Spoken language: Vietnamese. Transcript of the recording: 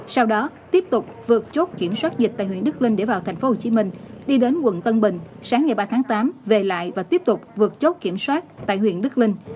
sau đó tiếp tục vượt chốt kiểm soát dịch tại huyện đức linh để vào tp hcm đi đến quận tân bình sáng ngày ba tháng tám về lại và tiếp tục vượt chốt kiểm soát tại huyện đức linh